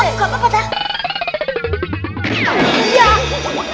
aduh aduh aduh